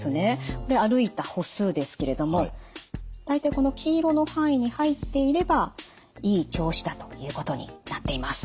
これ歩いた歩数ですけれども大体この黄色の範囲に入っていればいい調子だということになっています。